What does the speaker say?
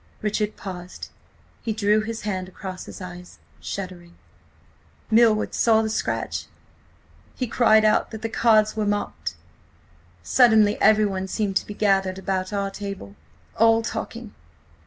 Richard paused. He drew his hand across his eyes, shuddering. "Milward saw the scratch. He cried out that the cards were marked! Suddenly everyone seemed to be gathered about our table–all talking!